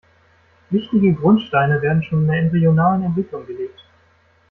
Wichtige Grundsteine werden schon in der embryonalen Entwicklung gelegt.